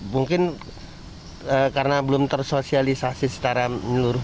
mungkin karena belum tersosialisasi secara menyeluruh